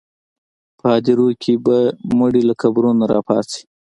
په هدیرو کې به مړي له قبرونو راپاڅي.